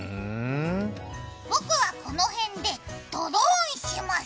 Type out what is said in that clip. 僕はこの辺でドローンします。